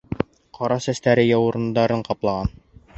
Ҡара сәстәре яурындарын ҡаплаған.